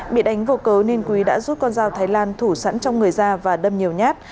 bị đánh vô cấu nên quý đã rút con dao thái lan thủ sẵn trong người da và đâm nhiều nhát